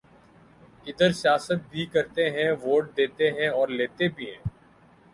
ا دھر سیاست بھی کرتے ہیں ووٹ دیتے ہیں اور لیتے بھی ہیں